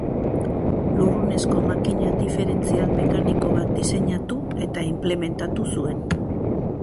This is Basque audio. Lurrunezko makina diferentzial mekaniko bat diseinatu eta inplementatu zuen.